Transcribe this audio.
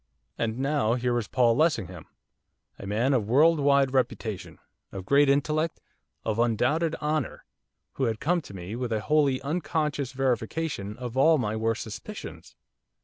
And now, here was Paul Lessingham, a man of world wide reputation, of great intellect, of undoubted honour, who had come to me with a wholly unconscious verification of all my worst suspicions!